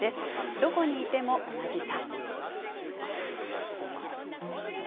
「どこにいてもおなじさ」。